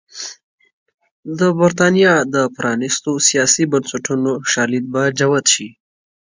د برېټانیا د پرانېستو سیاسي بنسټونو شالید به جوت شي.